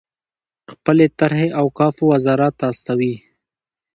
خپلې طرحې اوقافو وزارت ته استوي.